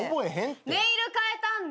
ネイル変えたんだ。